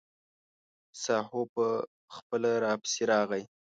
ساهو به خپله راپسې راغی.